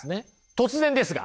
突然ですが。